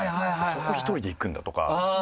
「そこ一人で行くんだ」とか。